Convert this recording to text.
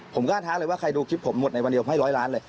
ผมกล้าท้าเลยว่าใครดูคลิปผมหมดในวันเดียวให้ร้อยล้านเลย